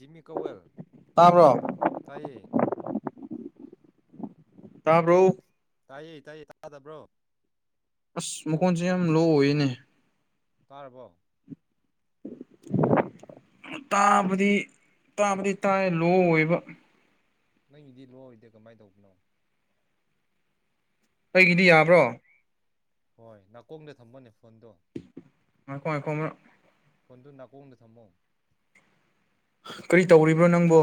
ꯖꯤꯃꯤ ꯀꯣꯋꯦꯜ ꯇ꯭ꯥꯕꯔꯣ ꯇꯥꯕ꯭ꯔꯣ ꯇꯥꯏꯌꯦ ꯇꯥꯏꯌꯦ ꯇꯗꯕ꯭ꯔꯣ ꯑꯁ ꯃꯈꯣꯟꯁꯦ ꯌꯥꯝ ꯂꯣ ꯑꯣꯏꯅꯦ ꯇꯥꯔꯕꯣ ꯇꯥꯕꯗꯤ ꯇꯥꯕꯗꯤ ꯇꯥꯏ ꯂꯣ ꯑꯣꯏꯕ ꯅꯪꯒꯤꯗꯤ ꯂꯣꯏꯑꯣꯏꯗꯦ ꯀꯃꯥꯏꯅ ꯇꯧꯕꯅꯣ ꯑꯩꯒꯤꯗꯤ ꯌꯥꯕ꯭ꯔꯣ ꯍꯣꯏ ꯅꯥꯀꯣꯡꯗ ꯊꯝꯕꯅꯦ ꯉꯥꯏꯈꯣ ꯉꯥꯏꯈꯣ ꯑꯃꯔꯛ ꯐꯣꯟꯗꯨ ꯅꯥꯀꯣꯡꯗ ꯊꯝꯃꯣ ꯀꯔꯤ ꯇꯧꯔꯤꯕ꯭ꯔꯣ ꯅꯪꯕꯨ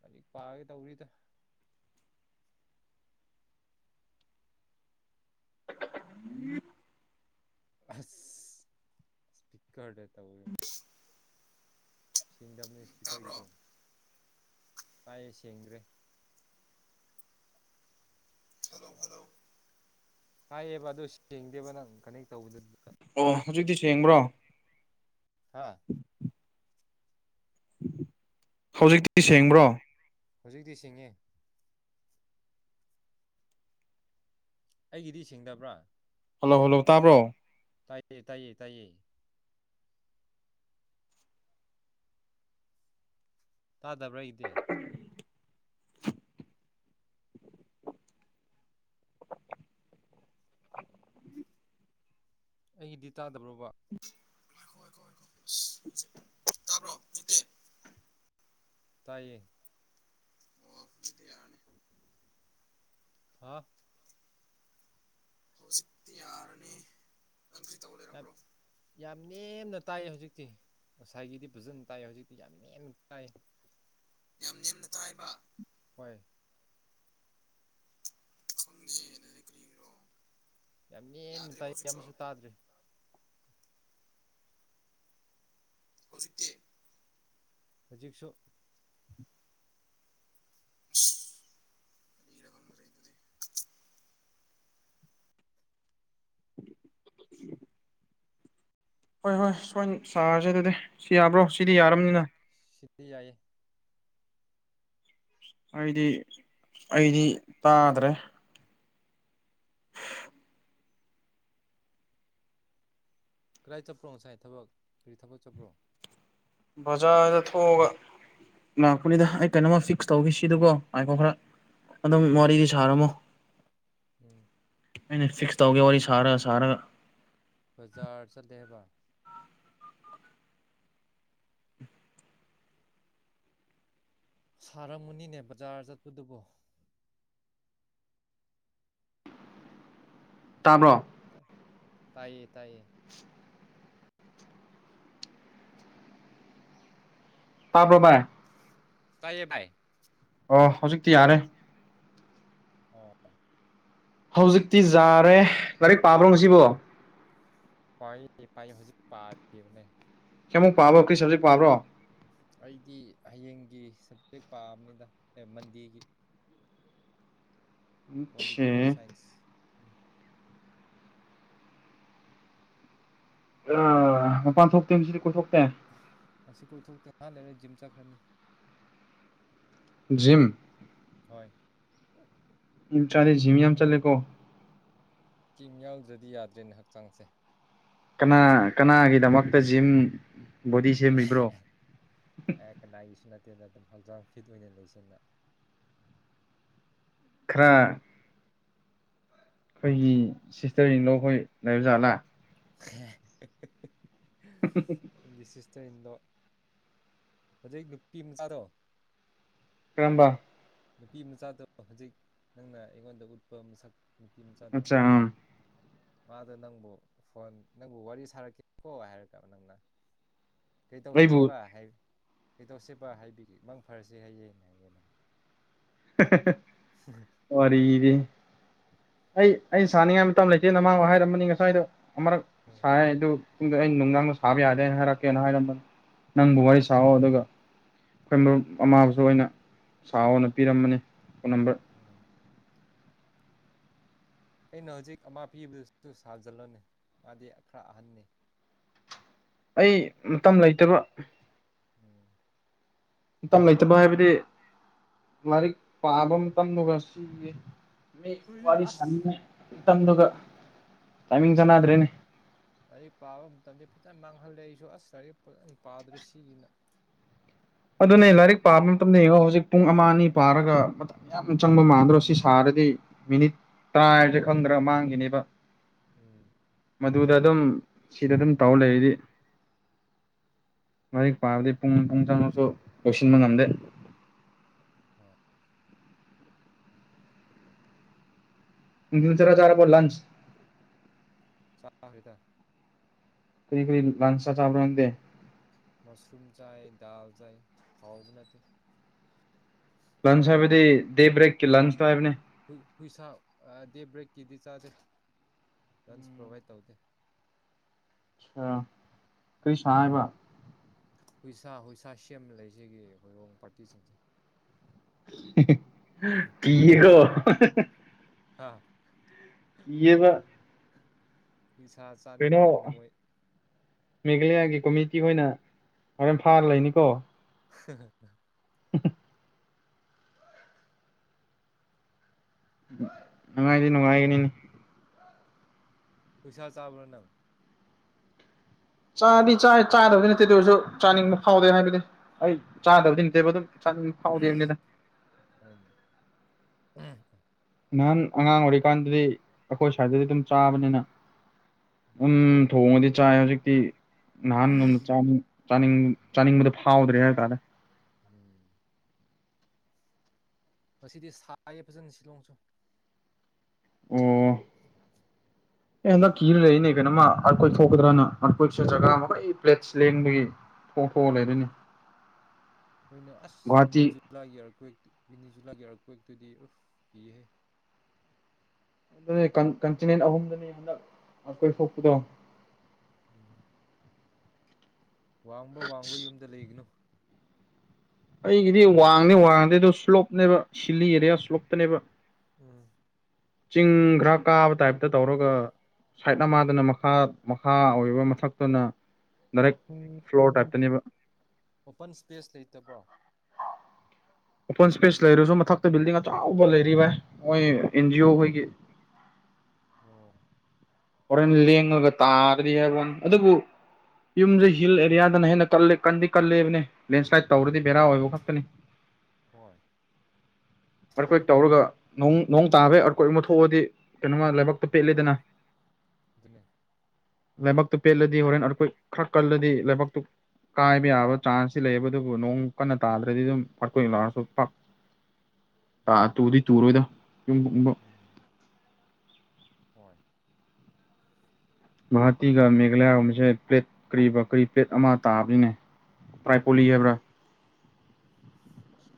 ꯍꯧꯖꯤꯛ ꯄꯥꯒꯦ ꯇꯧꯔꯤꯗ ꯎꯝ [unintelligible] [unintelligible] ꯁꯦꯡꯗꯕꯅꯦ ꯏꯁꯄꯤꯀꯔꯒꯤꯗꯣ ꯇꯥꯏꯌꯦ ꯁꯦꯡꯗ꯭ꯔꯦ ꯇꯥꯏꯌꯦꯕ ꯑꯗꯨ ꯁꯦꯡꯗꯦꯕ ꯅꯪ ꯀꯩꯅꯣꯛ ꯇꯧꯕꯗꯨ ꯑꯣ ꯍꯨꯖꯤꯛꯇꯤ ꯁꯦꯡꯕ꯭ꯔꯣ ꯍꯥꯥ ꯍꯧꯖꯤꯛꯇꯤ ꯁꯦꯡꯕ꯭ꯔꯣ ꯍꯧꯖꯤꯛꯇꯤ ꯁꯦꯡꯉꯦ ꯑꯩꯒꯤꯗꯤ ꯁꯦꯡꯗꯕ꯭ꯔꯥ ꯍꯜꯂꯣ ꯍꯜꯂꯣ ꯇꯥꯕ꯭ꯔꯣ ꯇꯥꯏꯗꯦ ꯇꯥꯏꯌꯦ ꯇꯥꯗꯕ꯭ꯔꯥ ꯑꯩꯗꯤ ꯑꯩꯒꯤꯗꯤ ꯇꯥꯗꯕ꯭ꯔꯣꯕ ꯁꯤ ꯇꯕ꯭ꯔꯣ [unintelligible] ꯇꯥꯏꯌꯦ ꯑꯣ ꯍꯧꯖꯤꯛꯇꯤ ꯌꯥꯔꯅꯤ ꯍꯥ [unintelligible] ꯌꯥꯔꯅꯤ ꯅꯪ ꯀꯔꯤ ꯇꯧ ꯅꯠ ꯂꯩꯔꯝꯕ꯭ꯔꯣ ꯌꯥꯝ ꯌꯥꯝ ꯅꯦꯝꯅ ꯇꯥꯏꯌꯦ ꯍꯧꯖꯤꯛꯇꯤ ꯉꯁꯥꯏꯒꯤꯗꯤ ꯐꯖꯅ ꯇꯥꯏ ꯍꯧꯖꯤꯛꯇꯤ ꯌꯥꯝ ꯅꯦꯝꯅ ꯇꯥꯏ ꯇꯥꯏꯕ ꯇꯥꯏ ꯈꯪꯗꯦ ꯑꯗꯨꯗꯤ ꯀꯔꯤꯒꯤꯔꯣ ꯌꯥꯝ ꯅꯦꯝꯅ ꯌꯥꯗ꯭ꯔꯤꯕꯣ ꯇꯥꯏ ꯍꯧꯖꯤꯛꯁꯨ ꯑꯃꯁꯨ ꯇꯥꯗ꯭ꯔꯦ ꯍꯧꯖꯤꯛꯇꯤ ꯍꯧꯖꯤꯛꯁꯨ ꯍꯣꯏ ꯍꯣꯏ ꯁꯣꯏꯅ ꯁꯥꯥꯔꯁꯦ ꯑꯗꯨꯗꯤ ꯁꯤ ꯌꯥꯕ꯭ꯔꯣ ꯁꯤꯗꯤ ꯌꯥꯔꯝꯅꯤꯅ ꯁꯤꯗꯤ ꯌꯥꯏꯌꯦ ꯑꯩꯗꯤ ꯑꯩꯗꯤ ꯇꯥꯗ꯭ꯔꯦ ꯀꯗꯥꯏ ꯆꯠꯄ꯭ꯔꯣ ꯉꯁꯥꯏ ꯊꯕꯛ ꯀꯔꯤ ꯊꯕꯛ ꯆꯠꯄ꯭ꯔꯣ ꯕꯥꯖꯔꯗ ꯊꯣꯛ ꯑꯒ ꯂꯥꯛꯄꯅꯤꯗ ꯑꯩ ꯀꯩꯅꯣꯃ ꯐꯤꯛꯁ ꯇꯧꯒꯦꯁꯤꯗꯀꯣ ꯉꯥꯏꯈꯣ ꯈꯥꯔ ꯑꯗꯨꯝ ꯋꯥꯔꯤꯗꯤ ꯁꯥꯔꯝꯃꯣ ꯎꯝ ꯑꯩꯅ ꯐꯤꯛꯁ ꯇꯧꯒꯦ ꯋꯥꯔꯤ ꯁꯥꯔ ꯁꯥꯔ ꯕꯖꯥꯔ ꯆꯠꯂꯦ ꯍꯥꯏꯕ ꯁꯥꯔꯝꯒꯅꯤꯅꯦ ꯕꯖꯥꯔ ꯆꯠꯄꯗꯨꯕꯣ ꯇꯥꯕ꯭ꯔꯣ ꯇꯥꯏꯌꯦ ꯇꯥꯏꯌꯦ ꯇꯥꯕ꯭ꯔꯣ ꯚꯥꯏ ꯇꯥꯏꯌꯦ ꯚꯥꯢ ꯑꯣ ꯍꯧꯖꯤꯛꯇꯤ ꯌꯥꯔꯦ ꯑꯣ ꯍꯧꯖꯤꯛꯇꯤ ꯖꯥꯔꯦ ꯂꯥꯏꯔꯤꯛ ꯄꯥꯕ꯭ꯔꯣ ꯉꯁꯤꯕꯣ ꯄꯥꯏ ꯄꯥꯏ ꯍꯧꯖꯤꯛ ꯄꯥꯗꯤꯕꯅꯦ ꯀꯌꯥꯃꯨꯛ ꯄꯥꯕ꯭ꯔꯣ ꯀꯔꯤ ꯁꯕꯖꯦꯛ ꯄꯥꯕ꯭ꯔꯣ ꯑꯩꯗꯤ ꯍꯌꯦꯡꯒꯤ ꯁꯞꯖꯦꯛ ꯄꯥꯕꯅꯤꯗ ꯑꯦ ꯃꯟꯗꯦꯒꯤ ꯑꯣꯛꯈꯦ ꯄꯣꯂꯤꯇꯤꯀꯦꯜ ꯁꯥꯏꯟꯁ ꯑꯥ ꯃꯄꯥꯟ ꯊꯣꯛꯇꯦ ꯉꯁꯤꯗꯤ ꯀꯣꯏꯊꯣꯛ ꯑꯁꯤ ꯀꯣꯏꯊꯣꯛꯇꯦ ꯉꯥꯛ ꯂꯩꯔ ꯖꯤꯝ ꯆꯠꯈ꯭ꯔꯅꯤ ꯖꯤꯝ ꯍꯣꯏ ꯎꯝ ꯆꯠꯂꯦ ꯖꯤꯝ ꯌꯥꯝ ꯆꯠꯂꯦꯀꯣ ꯖꯤꯝ ꯌꯥꯎꯗ꯭ꯔꯗꯤ ꯌꯥꯗ꯭ꯔꯦꯅꯦ ꯍꯛꯆꯥꯡꯁꯦ ꯀꯥꯅ ꯀꯥꯅꯒꯤꯗꯃꯛꯇ ꯖꯤꯝ ꯕꯣꯗꯤ ꯁꯦꯝꯃꯤꯕ꯭ꯔꯣ ꯑꯦ ꯍꯦ ꯀꯅꯥꯒꯤꯁꯨ ꯅꯠꯇꯦꯗ ꯗꯨꯝ ꯍꯛꯆꯥꯡ ꯐꯤꯠ ꯑꯣꯏꯅ ꯂꯩꯁꯦꯅ ꯈꯥꯔ ꯑꯈꯣꯏꯒꯤ ꯁꯤꯁꯇ꯭ꯔ ꯏꯟꯂꯣ ꯈꯣꯏ ꯂꯩꯕ ꯖꯥꯠꯂ ꯈꯦ ꯍꯦ ꯍꯦ [inaudible] ꯁꯤꯁꯇ꯭ꯔ ꯏꯟꯂꯣ ꯍꯧꯖꯤꯛ ꯅꯨꯄꯤ ꯃꯆꯥꯗꯣ ꯀꯔꯝꯕ ꯅꯨꯄꯤ ꯃꯆꯥꯗꯣ ꯍꯧꯖꯤꯛ ꯅꯪꯅ ꯑꯩꯉꯣꯟꯗ ꯎꯠꯄ ꯃꯁꯛ ꯅꯨꯄꯤ ꯃꯆꯥꯗꯣ ꯑꯠꯆꯥ ꯃꯥꯗꯣ ꯅꯪꯕꯨ ꯐꯣꯟ ꯅꯪꯕꯨ ꯋꯥꯔꯤ ꯁꯥꯔꯛꯀꯦꯀꯣ ꯍꯥꯏꯔꯒ ꯅꯪꯅ ꯑꯩꯕꯨ ꯀꯩꯗꯧꯁꯦꯕ ꯀꯩꯗꯧꯁꯦꯕ ꯍꯥꯏꯕꯤꯒꯦ ꯃꯪ ꯐꯔꯁꯦ ꯍꯥꯏꯌꯦꯅ ꯍꯦꯍꯦ ꯋꯥꯔꯤꯗꯤ ꯑꯩ ꯑꯩ ꯁꯥꯅꯤꯡꯉꯥꯏ ꯃꯇꯝ ꯂꯩꯇꯦꯅ ꯃꯥꯕꯨ ꯍꯥꯏꯔꯝꯕꯅꯤ ꯉꯁꯥꯏꯗꯣ ꯑꯃꯨꯔꯛ ꯎꯝ ꯁꯥꯏꯌꯦ ꯑꯗꯨ ꯈꯪꯗꯦ ꯑꯩꯅ ꯅꯨꯡꯗꯥꯡꯗ ꯁꯥꯕ ꯌꯥꯗꯦ ꯍꯥꯏꯅ ꯍꯥꯏꯔꯛꯀꯦꯅ ꯍꯥꯏꯔꯝꯕꯅꯤ ꯅꯪꯕꯨ ꯋꯥꯔꯤ ꯁꯥꯑꯣ ꯑꯗꯨꯒ ꯑꯈꯣꯏ ꯃꯔꯨꯞ ꯑꯃꯥꯕꯨꯁꯨ ꯑꯩꯅ ꯁꯥꯎꯑꯣꯅ ꯄꯤꯔꯝꯕꯅꯤ ꯐꯣꯟ ꯅꯝꯕꯔ ꯎꯝ ꯑꯩꯅ ꯍꯧꯖꯤꯛ ꯑꯃ ꯄꯤꯕꯗꯨꯁꯨ ꯁꯥꯖꯤꯜꯂꯣꯅꯦ ꯃꯥꯗꯤ ꯈꯥꯔ ꯑꯍꯟꯅꯤ ꯑꯩ ꯃꯇꯝ ꯂꯩꯇꯕ ꯎꯝ ꯃꯇꯝ ꯂꯩꯇꯕ ꯍꯥꯏꯕꯗꯤ ꯂꯥꯏꯔꯤꯛ ꯄꯥꯕ ꯃꯇꯝꯗꯨꯒ ꯁꯤꯒꯤ ꯃꯤ ꯍꯣꯏꯅꯦ ꯋꯥꯔꯤ ꯑꯁ ꯁꯥꯅꯤꯡꯉꯥꯏ ꯃꯇꯝꯗꯨꯒ ꯇꯥꯏꯃꯤꯡ ꯆꯥꯟꯅꯗ꯭ꯔꯦꯅꯦ ꯂꯥꯏꯔꯤꯛ ꯄꯥꯕ ꯃꯇꯝꯗꯤ ꯐꯖꯅ ꯃꯥꯡ ꯈꯜꯂꯦ ꯑꯩꯁꯨ ꯑꯁ ꯂꯥꯏꯔꯤꯛ ꯐꯖꯅ ꯄꯥꯗ꯭ꯔꯦ ꯁꯤꯒꯤꯅ ꯑꯗꯨꯅꯦ ꯂꯥꯏꯔꯤꯛ ꯄꯥꯕ ꯃꯇꯝꯗ ꯌꯦꯡꯉꯣ ꯍꯧꯖꯤꯛ ꯄꯨꯡ ꯑꯃ ꯑꯅꯤ ꯄꯥꯔꯒ ꯃꯇꯝ ꯌꯥꯝ ꯆꯪꯕ ꯃꯥꯟꯗ꯭ꯔꯣ ꯁꯤ ꯁꯥꯔ ꯑꯗꯨꯗꯤ ꯃꯤꯅꯤꯠ ꯇꯥꯔꯁꯦ ꯈꯪꯗ꯭ꯔꯥ ꯃꯥꯡꯈꯤꯅꯤꯕ ꯎꯝ ꯑꯗꯨꯗ ꯗꯨꯝ ꯁꯤꯗ ꯗꯨꯝ ꯇꯧ ꯂꯩꯔꯗꯤ ꯂꯥꯏꯔꯤꯛ ꯄꯥꯕꯗꯤ ꯄꯨꯡ ꯄꯨꯡ ꯆꯪꯉꯁꯨ ꯂꯣꯏꯁꯤꯟꯕ ꯉꯝꯗꯦ ꯍꯣꯏ ꯁꯤꯡꯖꯨ ꯆꯥꯔ ꯆꯥꯔꯕꯣ ꯂꯟꯁ ꯆꯥꯔꯦꯗ ꯀꯔꯤ ꯀꯔꯤ ꯂꯥꯟꯁꯇ ꯆꯥꯕ꯭ꯔ ꯅꯪꯗꯤ ꯃꯁꯔꯨꯝ ꯆꯥꯏ ꯗꯥꯜ ꯆꯥꯏ ꯍꯥꯎꯕ ꯅꯠꯇꯦ ꯂꯟꯁ ꯍꯥꯏꯕꯗꯤ ꯗꯦ ꯕ꯭ꯔꯦꯛꯀꯤ ꯂꯟꯁꯇꯣ ꯍꯥꯏꯕꯅꯦ ꯍꯨꯏꯁꯥ ꯗꯦ ꯕ꯭ꯔꯦꯛꯀꯤꯗꯤ ꯆꯥꯗꯦ ꯂꯟꯁ ꯄꯣꯚꯥꯏꯠ ꯇꯧꯗꯦ ꯑꯥ ꯀꯔꯤ ꯁꯥ ꯍꯥꯏꯕ ꯍꯨꯏꯁꯥ ꯍꯨꯏꯁꯥ ꯁꯦꯝꯂ ꯂꯩꯖꯒꯦꯌꯦ ꯍꯧꯔꯣꯡ ꯄꯥꯔꯇꯤꯁꯤꯡꯁꯦ ꯍꯦꯍꯦ ꯀꯔꯤꯔꯣ ꯍꯥ ꯀꯤꯑꯦꯕ ꯍꯨꯏꯁꯥ ꯆꯥꯅꯤꯡꯉꯦꯅ ꯃꯣꯏ ꯃꯦꯘꯂꯌꯥꯒꯤ ꯀꯣꯃꯤꯇꯤ ꯍꯣꯏꯅ ꯍꯣꯔꯦꯟ ꯐꯥꯔ ꯂꯩꯅꯤꯀꯣ ꯍꯥꯍꯥ ꯍꯝꯍꯝ ꯅꯨꯡꯉꯥꯏꯗꯤ ꯅꯨꯡꯉꯥꯏꯒꯅꯤꯅꯦ ꯍꯨꯏꯁꯥ ꯆꯕ꯭ꯔꯥ ꯅꯪ ꯆꯥꯗꯤ ꯆꯥꯏ ꯆꯥꯗꯕꯗꯤ ꯅꯠꯇꯦ ꯑꯗꯨ ꯑꯣꯏꯔꯁꯨ ꯆꯥꯅꯤꯡꯕꯗꯤ ꯐꯥꯎꯗꯦ ꯍꯥꯏꯕꯗꯤ ꯑꯩ ꯎꯝ ꯆꯥꯗꯕꯗꯤ ꯅꯠꯇꯦꯕ ꯗꯨꯝ ꯆꯅꯤꯡꯕ ꯐꯥꯎꯗꯦ ꯍꯥꯕꯅꯤꯗ ꯎꯝ ꯅꯍꯥꯟ ꯑꯉꯥꯡ ꯑꯣꯏꯔꯤꯀꯥꯟꯗꯗꯤ ꯑꯈꯣꯏ ꯁ꯭ꯋꯥꯏꯗꯗꯤ ꯑꯗꯨꯝ ꯆꯥꯕꯅꯤꯅ ꯎꯝ ꯊꯣꯡꯉꯗꯤ ꯆꯥꯏ ꯍꯧꯖꯤꯛꯇꯤ ꯅꯍꯥꯟ ꯎꯝ ꯅꯨ ꯆꯥꯅꯤꯡ ꯆꯥꯅꯤꯡ ꯆꯅꯤꯡꯕꯗꯨ ꯐꯥꯎꯗ꯭ꯔꯦ ꯍꯥꯏꯇꯥꯔꯦ ꯉꯁꯤꯗꯤ ꯁꯥꯏꯌꯦ ꯐꯖꯅ ꯁꯤꯂꯣꯡꯁꯨ ꯑꯣ ꯑꯦ ꯍꯟꯗꯛ ꯀꯤꯔ ꯂꯩꯛꯏꯅꯦ ꯀꯩꯅꯣꯃ ꯑꯩꯈꯣꯏ ꯊꯣꯛꯀꯗ꯭ꯔꯥꯅ ꯑꯩꯏꯁꯨ ꯖꯒꯥ ꯃꯈꯣꯏ ꯄ꯭ꯂꯦꯠꯁ ꯂꯦꯡꯕꯒꯤ ꯐꯣꯇꯣ ꯂꯩꯔꯣꯏꯅꯦ ꯃꯣꯏꯅ ꯑꯁ ꯃꯤꯅꯤꯠ ꯖꯨꯂꯥ ꯌꯥꯔꯛꯀꯣꯏ ꯕꯤꯅꯤꯖꯨꯂ ꯒꯤ ꯑꯥꯔꯊꯀ꯭ꯋꯦꯛ ꯇꯨꯗꯤ ꯎꯐ ꯀꯤꯍꯦ ꯅꯣꯏ ꯀꯟꯇꯤꯅꯦꯟ ꯑꯍꯨꯝꯗꯅꯤ ꯍꯟꯗꯛ ꯑꯣꯔꯊꯀ꯭ꯋꯦꯛ ꯊꯣꯛꯄꯗꯣ ꯎꯝ ꯋꯥꯡꯕ ꯋꯥꯡꯕ ꯌꯨꯝꯗ ꯂꯩꯒꯅꯨ ꯑꯩꯒꯤꯗꯤ ꯋꯥꯡꯗꯦ ꯋꯥꯡꯗꯦ ꯑꯗꯨ ꯁ꯭ꯂꯣꯞꯅꯦꯕ ꯁꯤꯂꯤ ꯑꯦꯔꯤꯌꯥ ꯁ꯭ꯂꯣꯞꯇꯅꯦꯕ ꯎꯝ ꯆꯤꯡ ꯈꯥꯔ ꯀꯥꯕ ꯇꯥꯏꯞꯇ ꯇꯧꯔꯒ ꯁꯥꯏꯠ ꯑꯃꯗꯅ ꯃꯈꯥ ꯃꯈꯥ ꯑꯣꯏꯕ ꯃꯊꯛꯇꯅ ꯗꯥꯏꯔꯦꯛ ꯐ꯭ꯂꯣꯔ ꯇꯥꯏꯞꯇꯅꯦꯕ ꯑꯣꯄꯟ ꯏꯁꯄꯦꯁ ꯂꯩꯇꯕ꯭ꯔꯣ ꯑꯣꯄꯟ ꯁ꯭ꯄꯦꯁ ꯂꯩꯔꯁꯨ ꯃꯊꯛꯇ ꯕꯤꯜꯗꯤꯡ ꯑꯆꯧꯕ ꯂꯩꯔꯤꯕꯥꯏ ꯃꯣꯏ ꯑꯦꯟꯖꯤꯑꯣ ꯎꯝ ꯈꯣꯏꯒꯤ [inaudible] ꯑꯣ ꯍꯣꯔꯦꯟ ꯂꯦꯡꯂꯒ ꯇꯥꯗ꯭ꯔꯤꯕ ꯑꯗꯨꯕꯨ ꯌꯨꯝꯁ ꯍꯤꯜ ꯑꯦꯔꯤꯌꯥꯗꯅ ꯍꯦꯟꯅ ꯀꯟꯗꯤ ꯀꯜꯂꯦꯕꯅꯦ ꯂꯦꯟꯁ꯭ꯂꯥꯏꯠ ꯇꯧꯔꯗꯤ ꯕꯦꯔꯥ ꯎꯝ ꯑꯣꯏꯕ ꯈꯛꯇꯅꯤ ꯍꯣꯏ ꯑꯥꯔꯊꯀ꯭ꯋꯦꯛ ꯇꯧꯔꯒ ꯅꯣꯡ ꯅꯣꯡ ꯇꯥꯕꯩ ꯑꯥꯔꯊꯀ꯭ꯋꯦꯛ ꯑꯃ ꯊꯣꯛꯑꯗꯤ ꯀꯩꯅꯣꯃ ꯂꯥꯏꯕꯛꯇꯣ ꯎꯝ ꯄꯦꯠꯂꯤꯗꯅ ꯑꯗꯨꯅꯦ ꯂꯩꯕꯛꯇꯨ ꯄꯦꯠꯂꯗꯤ ꯍꯣꯔꯦꯟ ꯑꯥꯔꯀ꯭ꯋꯦꯛ ꯈꯥꯔ ꯀꯜꯂꯗꯤ ꯂꯩꯕꯛꯇꯨ ꯀꯥꯏꯕ ꯌꯥꯕ ꯆꯥꯟꯁꯇꯤ ꯂꯩꯌꯦꯕ ꯑꯗꯨꯕꯨ ꯅꯣꯡ ꯀꯟꯅ ꯇꯥꯗ꯭ꯔꯗꯤ ꯗꯨꯝ ꯈꯥꯔ ꯀꯨꯏꯅ ꯂꯥꯛꯑꯁꯨ ꯄꯥꯛ ꯑꯥꯥ ꯎꯝ ꯇꯨꯗꯤ ꯇꯔꯣꯏꯗ ꯌꯨꯝꯒꯨꯝꯕ ꯎꯝ ꯍꯣꯏ ꯚꯥꯔꯇꯤꯒ ꯃꯦꯘꯥꯂꯌꯥꯔꯣꯝꯁꯦ ꯄ꯭ꯂꯦꯠ ꯀꯔꯤꯕ ꯀꯔꯤ ꯄ꯭ꯂꯦꯠ ꯑꯃ ꯇꯥꯕꯅꯤꯅꯦ ꯄ꯭ꯔꯥꯏ ꯄꯨꯜꯂꯤ ꯍꯥꯏꯕ꯭ꯔ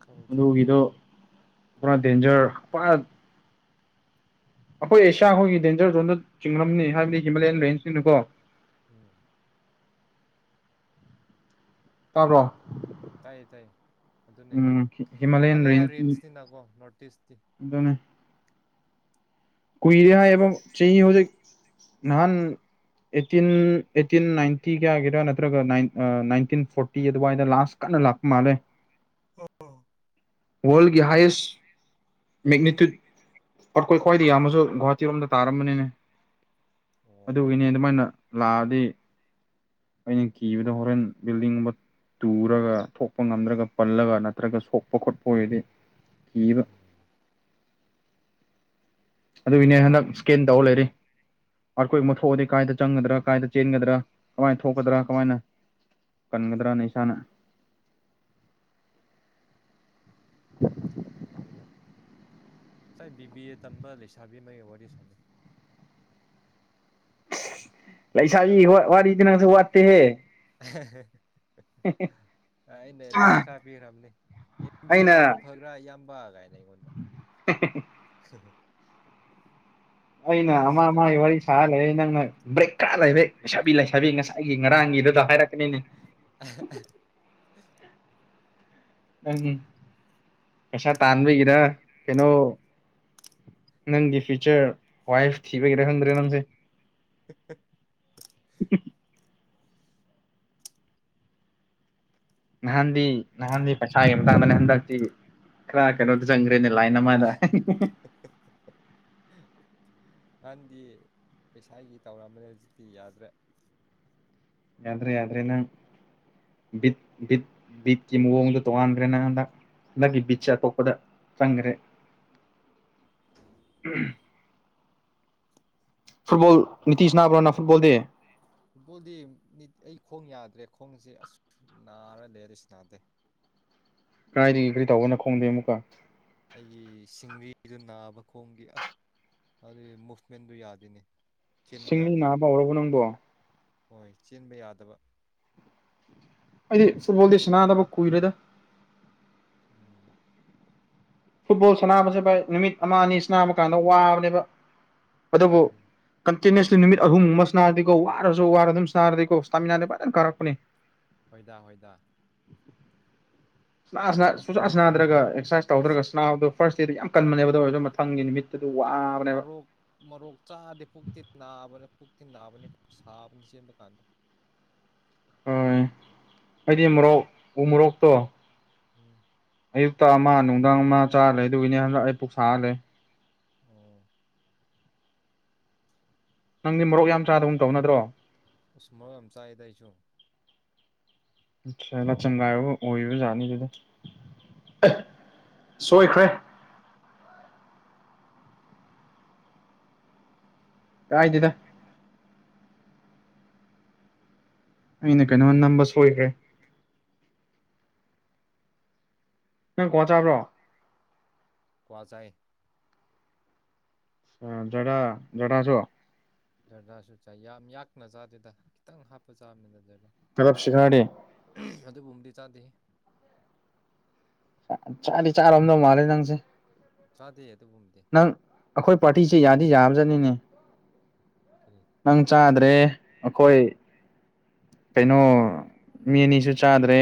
ꯈꯪꯗ꯭ꯔꯦꯅꯦ ꯑꯗꯨꯗꯤ ꯄꯨꯔꯥ ꯗꯦꯟꯖꯔ ꯄꯥꯛ ꯑꯈꯣꯏ ꯑꯦꯁꯤꯌꯥ ꯈꯣꯏꯒꯤ ꯗꯦꯟꯖꯔꯗꯣ ꯅꯠ ꯆꯤꯡꯉꯝꯅꯤ ꯎꯝ ꯍꯥꯏꯕꯗꯤ ꯍꯤꯃꯥꯂꯌꯥꯟ ꯔꯦꯟꯁꯅꯤꯅꯀꯣ ꯇꯥꯕ꯭ꯔꯣ ꯇꯥꯏꯌꯦ ꯇꯥꯏꯌꯦ ꯑꯗꯨꯅꯦ ꯎꯝ ꯍꯤꯃꯥꯂꯌꯥꯟ ꯍꯤꯃꯥꯂꯌꯥ ꯔꯦꯟꯖ ꯔꯦꯟꯁꯅꯤꯅꯀꯣ ꯅꯣꯔꯠ ꯏꯁ꯭ꯠꯇꯤ ꯑꯗꯨꯅꯦ ꯀꯨꯏꯔꯦ ꯍꯥꯏ ꯑꯦꯕ ꯆꯦꯍꯤ ꯍꯧꯖꯤꯛ ꯅꯍꯥꯟ ꯑꯩꯠꯇꯤꯟ ꯑꯩꯠꯇꯤꯟ ꯅꯥꯏꯟꯇꯤ ꯀꯌꯥꯒꯤꯔ ꯅꯠꯇ꯭ꯔꯒ ꯅꯥꯏꯟꯇꯤꯟ ꯐꯣꯔꯇꯤ ꯑꯗꯨꯋꯥꯏꯗ ꯂꯥꯁ ꯀꯥ ꯂꯥꯛꯄ ꯃꯥꯜꯂꯦ ꯑꯣ ꯋꯥ꯭ꯔꯜꯒꯤ ꯍꯥꯏꯌꯦꯁ ꯃꯦꯛꯅꯤꯇꯨꯠꯗ ꯑꯥꯔꯊꯀ꯭ꯋꯦꯛ ꯈ꯭ꯋꯥꯏꯗꯒꯤ ꯌꯥꯝꯃꯁꯨ ꯒꯨꯍꯥꯇꯤꯔꯣꯝꯗ ꯇꯥꯔꯝꯃꯅꯤꯅꯦ ꯑꯣ ꯑꯗꯨꯒꯤꯅꯦ ꯑꯗꯨꯃꯥꯏꯅ ꯂꯥꯛꯑꯗꯤ ꯑꯩꯅ ꯀꯤꯕꯗ ꯍꯣꯔꯦꯟ ꯕꯤꯜꯗꯤꯡꯒꯨꯝꯕ ꯇꯨꯔꯒ ꯊꯣꯛꯄ ꯉꯝꯗ꯭ꯔꯒ ꯄꯜꯂꯒ ꯅꯠꯇ꯭ꯔꯒ ꯁꯣꯛꯄ ꯈꯣꯠꯄ ꯑꯣꯏꯔꯗꯤ ꯀꯤꯕ ꯎꯝ ꯉꯁꯥꯏ ꯑꯗꯨꯒꯤꯅꯦ ꯍꯟꯗꯛ ꯁ꯭ꯀꯦꯟ ꯇꯧꯔ ꯂꯩꯔꯦ ꯑꯥꯔꯀ꯭ꯋꯦꯛ ꯑꯃ ꯊꯣꯛꯑꯗꯤ ꯀꯥꯏꯗ ꯆꯪꯒꯗ꯭ꯔꯥ ꯀꯥꯏꯗ ꯆꯦꯟꯒꯗ꯭ꯔꯥ ꯀꯃꯥꯏꯅ ꯊꯣꯛꯀꯗ꯭ꯔꯥ ꯀꯃꯥꯏꯅ ꯀꯟꯒꯗ꯭ꯔꯥꯅꯦ ꯏꯁꯥꯅ [inaudible] ꯉꯁꯥꯏ ꯕꯤꯕꯤ ꯑꯦ ꯇꯝꯕ ꯂꯩꯁꯥꯕꯤꯃ ꯑꯩꯒ ꯋꯥꯔꯤ ꯁꯥꯟꯅꯩ ꯑꯁ ꯂꯩꯁꯥꯕꯤꯒꯤ ꯋꯥꯔꯤꯗꯤ ꯅꯪꯁꯨ ꯋꯦꯠꯇꯦ ꯍꯦ ꯍꯦ ꯍꯦ ꯑꯩꯅ ꯑꯦꯗꯚꯥꯏꯁ ꯈꯥꯔ ꯄꯤꯈ꯭ꯔꯕꯅꯤ ꯑꯦꯝ ꯕꯤ ꯑꯦ ꯑꯩꯅ ꯇꯧꯕ ꯐꯕ꯭ꯔꯥ ꯏꯌꯥꯝꯕ ꯀꯥꯏꯅ ꯑꯩꯉꯣꯟꯗ ꯑ ꯑꯩꯅ ꯑꯃ ꯁꯤ ꯇꯧ ꯑꯃꯒꯤ ꯁꯤ ꯇꯧ ꯋꯥꯔꯤ ꯍꯥꯏꯅ ꯁꯥꯔ ꯂꯩꯔꯦ ꯅꯪꯅ ꯕ꯭ꯔꯦꯛ ꯈꯔ ꯂꯩꯔꯦ ꯂꯩꯁꯥꯕꯤ ꯂꯩꯁꯥꯕꯤ ꯉꯁꯥꯏꯒꯤ ꯉꯔꯥꯡꯒꯤ ꯗꯨꯗ ꯍꯥꯏꯔꯛꯄꯅꯤꯅꯦ ꯑꯍꯑꯍ ꯄꯩꯁꯥ ꯇꯥꯟꯕꯒꯤꯔ ꯀꯩꯅꯣ ꯅꯪꯒꯤ ꯐꯤꯌꯨꯆꯔ ꯋꯥꯏꯐ ꯊꯤꯕꯒꯤꯔ ꯈꯪꯗ꯭ꯔꯦ ꯅꯪꯁꯦ ꯍꯍ ꯅꯍꯥꯟꯗꯤ ꯅꯍꯥꯟꯗꯤ ꯄꯩꯁꯥꯒꯤ ꯃꯇꯥꯡꯗꯅꯦ ꯍꯟꯗꯛꯇꯤ ꯈꯥꯔ ꯀꯩꯅꯣꯗ ꯆꯪꯒ ꯒ꯭ꯔꯦꯅꯦ ꯂꯥꯏꯟ ꯑꯃꯗ ꯍꯦꯍꯦ ꯅꯍꯥꯟꯗꯤ ꯄꯩꯁꯥꯒꯤ ꯇꯧꯔꯝꯕꯅꯦ ꯍꯧꯖꯤꯛꯇꯤ ꯌꯥꯗ꯭ꯔꯦ ꯌꯥꯗ꯭ꯔꯦ ꯌꯥꯗ꯭ꯔꯦ ꯅꯪ ꯕꯤꯠ ꯕꯤꯠ ꯕꯤꯠꯀꯤ ꯃꯑꯣꯡꯗ ꯇꯣꯉꯥꯟꯒ꯭ꯔꯦ ꯅꯪ ꯍꯟꯗꯛ ꯅꯪꯒꯤ ꯎꯝ ꯕꯤꯠꯁꯦ ꯑꯇꯣꯞꯄꯗ ꯆꯪꯒꯔꯦ ꯐꯨꯠꯕꯣꯜ ꯅꯤꯇꯤ ꯁꯥꯅꯕ꯭ꯔꯣꯅ ꯐꯨꯠꯕꯣꯜ ꯗꯤ ꯐꯨꯠꯕꯣꯜꯗꯤ ꯑꯩ ꯈꯣꯡ ꯌꯥꯗ꯭ꯔꯦ ꯈꯣꯡꯁꯦ ꯑꯁ ꯅꯥꯔ ꯂꯩꯔꯦ ꯁꯥꯅꯗꯦ ꯀꯗꯥꯥꯏꯗꯒꯤ ꯀꯔꯤ ꯇꯧꯕ ꯅꯈꯣꯡꯗꯤ ꯑꯃꯨꯛꯀ ꯑꯩꯒꯤ ꯁꯤꯡꯂꯤꯗꯨ ꯅꯥꯕ ꯈꯣꯡꯒꯤ ꯑꯥ ꯑꯗꯨꯒꯤ ꯃꯨꯚꯃꯦꯟꯗꯨ ꯌꯥꯗꯦꯅꯦ ꯆꯦꯟꯕ ꯁꯤꯡꯂꯤ ꯌꯥꯗꯦꯅꯦ ꯅꯥꯕ ꯍꯧꯔꯕ ꯅꯪꯕꯣ ꯍꯣꯏ ꯆꯦꯟꯕ ꯌꯥꯗꯕ ꯑꯩꯗꯤ ꯐꯨꯠꯕꯣꯜꯗꯤ ꯁꯥꯅꯥꯗꯕ ꯀꯨꯏꯔꯦꯗ ꯎꯝ ꯐꯨꯠꯕꯣꯜ ꯁꯥꯟꯅꯥꯕꯁꯦ ꯚꯥꯏ ꯅꯨꯃꯤꯠ ꯑꯃ ꯑꯅꯤ ꯁꯅꯥꯕ ꯀꯥꯟꯗ ꯋꯥꯕꯅꯦꯕ ꯑꯗꯨꯕꯨ ꯎꯝ ꯀꯟ ꯇꯤꯅꯦꯁ ꯅꯨꯃꯤꯠ ꯑꯍꯨꯝꯒꯨꯝꯕ ꯁꯥꯅꯥꯔꯗꯤꯀꯣ ꯋꯥꯔꯁꯨ ꯋꯥꯔ ꯑꯗꯨꯝ ꯁꯥꯅꯔꯗꯤꯀꯣ ꯏꯁꯇꯥꯃꯤꯅꯥꯗꯤ ꯐꯖꯅ ꯀꯥꯔꯛꯄꯅꯦ ꯍꯣꯏꯗ ꯍꯣꯏꯗ ꯁꯅꯥ ꯁꯅꯥ ꯁꯨꯡꯁꯥꯟ ꯁꯥꯟꯅꯥꯗ꯭ꯔꯒ ꯑꯦ ꯑꯦꯛꯁ꯭ꯔꯁꯥꯏ ꯑꯁ ꯇꯧꯗ꯭ꯔꯒ ꯁꯥꯅꯥꯕꯗꯣ ꯐꯥꯔꯁ ꯗꯦꯗꯤ ꯌꯥꯝ ꯑꯗꯣ ꯀꯟꯕꯅꯦꯕꯗꯣ ꯑꯣꯏꯔꯁꯨ ꯃꯊꯪꯒꯤ ꯅꯨꯃꯤꯠꯇꯗꯤ ꯋꯥꯕꯅꯦꯕ ꯃꯔꯣꯛ ꯃꯔꯣꯛ ꯆꯥꯗꯦ ꯄꯨꯛꯇꯤ ꯅꯥꯕꯅꯦ ꯄꯨꯛꯇꯤ ꯅꯥꯕꯅꯤꯀꯣ ꯁꯥꯕꯅꯤ ꯆꯦꯟꯕ ꯀꯥꯟꯗ ꯍꯣꯏ ꯑꯩꯗꯤ ꯃꯣꯔꯣꯛ ꯎ ꯃꯣꯔꯣꯛꯇꯣ ꯎꯝ ꯑꯌꯨꯛꯇ ꯑꯃ ꯅꯨꯡꯗꯥꯡ ꯑꯃ ꯆꯥ ꯂꯩꯔꯦ ꯗꯨꯒꯤꯅꯦ ꯍꯟꯗꯛ ꯑꯩ ꯄꯨꯛ ꯁꯥꯔ ꯂꯩ ꯑꯣ ꯅꯪꯗꯤ ꯃꯣꯔꯣꯛ ꯌꯥꯝ ꯆꯥꯗꯕꯒꯨꯝ ꯇꯧꯕꯅꯠꯇ꯭ꯔꯣ ꯎꯁ ꯃꯣꯔꯣꯛ ꯌꯥꯝ ꯆꯥꯏꯗ ꯑꯩꯁꯨ [unintelligible] ꯑꯣꯏꯕꯖꯥꯠꯅꯤ ꯑꯗꯨꯗꯣ ꯁꯣꯏꯈ꯭ꯔꯦ ꯀꯥꯏꯗꯦꯗ ꯑꯩꯅ ꯀꯩꯅꯣ ꯅꯝꯕ ꯁꯣꯏꯈ꯭ꯔꯦ ꯅꯪ ꯀ꯭ꯋꯥ ꯆꯥꯕ꯭ꯔꯣ ꯀ꯭ꯋꯥ ꯆꯥꯏ ꯑꯥ ꯖꯔꯗꯥ ꯖꯔꯗꯥꯁꯨ ꯖꯔꯗꯥꯁꯨ ꯆꯥꯏ ꯌꯥꯝ ꯌꯥꯛꯅ ꯆꯥꯗꯦꯗ ꯈꯤꯇꯪ ꯍꯥꯞꯄ ꯆꯥꯕꯅꯤꯗ ꯖꯔꯗꯥ ꯇꯂꯞ ꯁꯦꯒꯥꯏꯔꯦ ꯑꯗꯨꯒꯨꯝꯕꯗꯤ ꯆꯥꯗꯦꯍꯦ ꯆꯥꯗꯤ ꯆꯔꯝꯗꯧ ꯃꯥꯂꯦ ꯅꯪꯁꯦ ꯆꯥꯗꯦ ꯑꯗꯨꯒꯨꯝꯕꯗꯤ ꯅꯪ ꯑꯈꯣꯏ ꯄꯥꯔꯇꯤꯁꯦ ꯌꯥꯗꯤ ꯌꯥꯕꯖꯅꯤꯅꯦ ꯀꯔꯤ ꯅꯪ ꯆꯥꯗ ꯗꯦ ꯑꯈꯣꯏ ꯀꯩꯅꯣ ꯃꯤ ꯑꯅꯤꯁꯨ ꯆꯥꯗ꯭ꯔꯦ